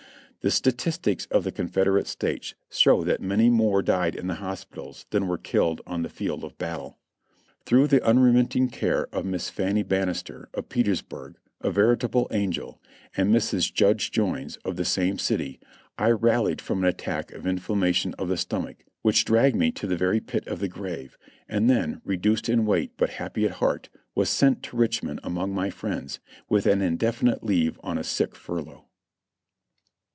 The statistics of the Confederate States show that many more died in the hospitals than were killed on the field of battle. Through the unremitting care of Miss Fannie Bannister, of Petersburg, a veritable angel, and Mrs. Judge Joynes, of the same city, I rallied from an attack of inflammation of the stomach which dragged me to the very pit of the grave, and then, re duced in weight but happy at heart, was sent to Richmond among my friends, with an indefinite leave on a sick furlough.